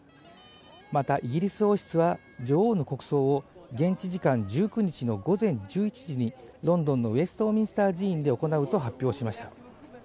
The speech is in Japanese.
また、イギリス王室は女王の国葬を現地時間１９日の午前１１時にロンドンのウェストミンスター寺院で行うと発表しました。